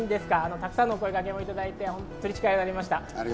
たくさんのお声がけをいただいて、力になりました。